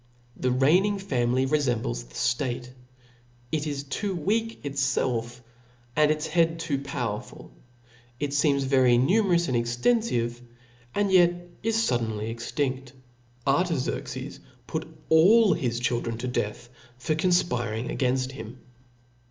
The reigning family refembles the ftate ; it is too weak itfclf, and its head too powerful ; it feems very numerous and extenfive, and yet is fuddenl/ . extinft, Artaxerxes {J) put all his children to death (y) See * for confpiring againft him.